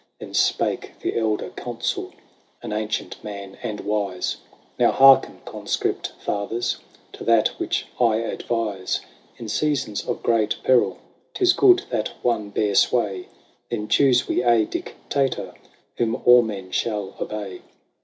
Then spake the elder Consul, An ancient man and wise :" Now hearken. Conscript Fathers, To that which I advise. In seasons of great peril 'Tis good that one bear sway ; Then choose we a Dictator, Whom all men shall obey.